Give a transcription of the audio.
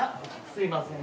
すいません。